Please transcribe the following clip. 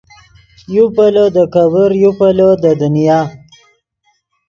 یو پیلو دے کېبر یو پیلو دے دنیا